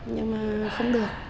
nhưng mà không được